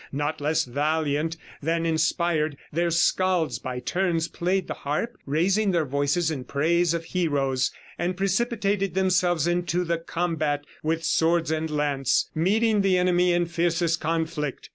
Not less valiant than inspired, their scalds by turns played the harp, raising their voices in praise of heroes, and precipitated themselves into the combat with sword and lance, meeting the enemy in fiercest conflict.